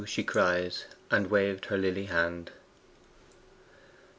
she cries, and waved her lily hand.